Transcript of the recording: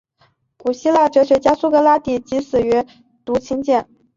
古希腊哲学家苏格拉底即死于毒芹碱。